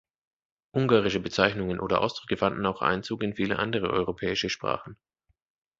Ungarische Bezeichnungen oder Ausdrücke fanden auch Einzug in viele andere europäische Sprachen.